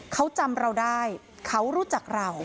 เขาจำเราได้เขารู้จักเรา